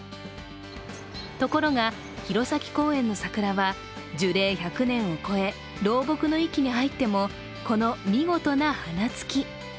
ところが、弘前公園の桜は樹齢１００年を超え老木の域に入っても、この見事な花つき。